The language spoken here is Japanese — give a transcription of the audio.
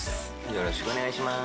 よろしくお願いします。